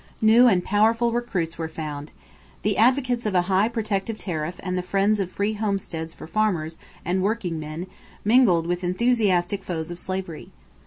New and powerful recruits were found. The advocates of a high protective tariff and the friends of free homesteads for farmers and workingmen mingled with enthusiastic foes of slavery.